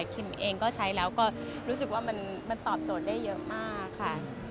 คิมเองก็ใช้แล้วก็รู้สึกว่ามันตอบโจทย์ได้เยอะมากค่ะ